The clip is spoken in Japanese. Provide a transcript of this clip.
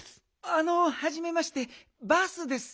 あのはじめましてバースです。